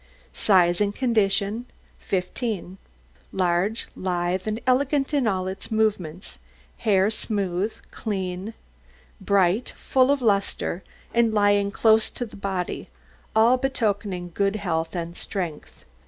SIZE AND CONDITION 15 Large, lithe, and elegant in all its movements; hair smooth, clean, bright, full of lustre, and lying close to the body, all betokening good health and strength.